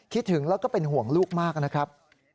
คิดถึงแล้วก็เป็นห่วงลูกมากนะครับ